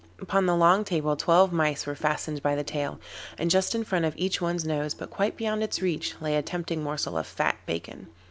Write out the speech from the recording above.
Upon the long table twelve mice were fastened by the tail, and just in front of each one's nose, but quite beyond its reach, lay a tempting morsel of fat bacon.